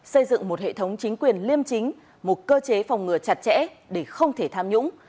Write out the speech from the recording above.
xây dựng một hệ thống chính quyền liêm chính một cơ chế phòng ngừa chặt chẽ để không thể tham nhũng